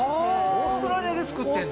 オーストラリアで作ってんだ。